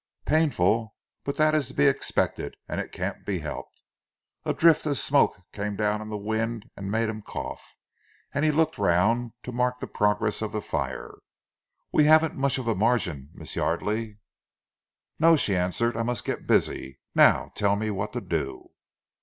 "Painful! But that is to be expected, and it can't be helped." A drift of smoke came down in the wind and made him cough, and he looked round to mark the progress of the fire. "We haven't much of a margin, Miss Yardely." "No," she answered, "I must get busy. Now tell me what to do!"